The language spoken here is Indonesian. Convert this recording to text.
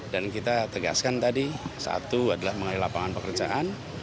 dan kita tegaskan tadi satu adalah mengenai lapangan pekerjaan